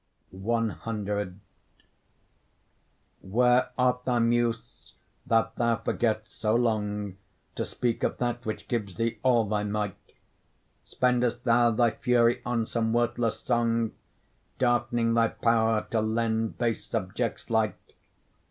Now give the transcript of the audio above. C Where art thou Muse that thou forget'st so long, To speak of that which gives thee all thy might? Spend'st thou thy fury on some worthless song, Darkening thy power to lend base subjects light?